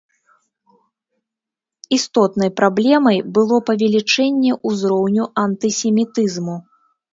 Істотнай праблемай было павелічэнне ўзроўню антысемітызму.